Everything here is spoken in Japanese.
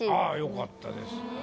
よかったですよね。